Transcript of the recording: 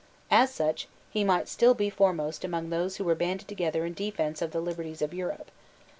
As such, he might still be foremost among those who were banded together in defence of the liberties of Europe.